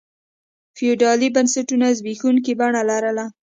فیوډالي بنسټونو زبېښونکي بڼه لرله.